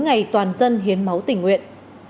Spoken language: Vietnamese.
ngày toàn dân hiến máu tình nguyện